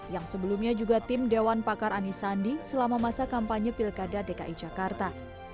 yang sebelumnya juga tim dewan pakar ani sandi selama masa kampanye pilkada dki jakarta